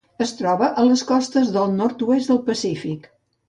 Es troba a les costes del nord-oest del Pacífic: